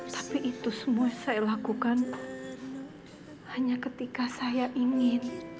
tapi itu semua saya lakukan hanya ketika saya ingin